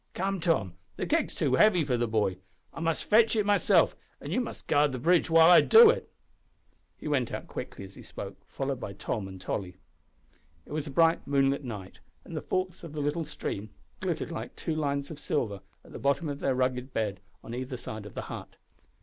Come, Tom, the keg's too heavy for the boy. I must fetch it myself, and you must guard the bridge while I do it." He went out quickly as he spoke, followed by Tom and Tolly. It was a bright moonlight night, and the forks of the little stream glittered like two lines of silver, at the bottom of their rugged bed on either side of the hut.